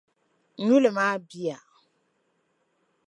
Nyuli maa biya.